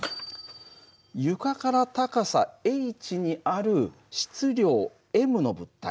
床から高さｈにある質量ｍの物体。